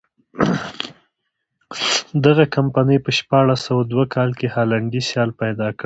دغې کمپنۍ په شپاړس سوه دوه کال کې هالنډی سیال پیدا کړ.